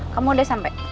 kamu udah sampai